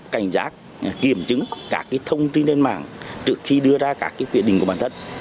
cảnh giác kiểm chứng cả cái thông tin trên mạng trước khi đưa ra cả cái quyết định của bản thân